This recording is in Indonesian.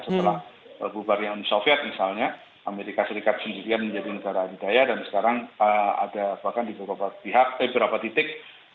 setelah bubar yang soviet misalnya amerika serikat sendiri yang menjadi negara adidaya dan sekarang ada bahkan di beberapa titik